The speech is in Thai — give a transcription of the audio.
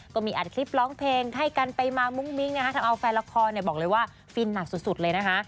ก็มีอัดคลิปร้องเพลงให้กันไปมามุ้งมิ้งนะคะทำเอาแฟนละครบอกเลยว่าฟินหนักสุดเลยนะคะ